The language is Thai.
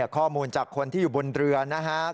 ข้อมูลจากคนที่อยู่บนเรือนะครับ